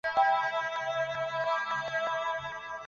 官至都御史。